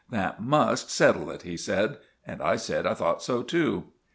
"That must settle it," he said. And I said I thought so too.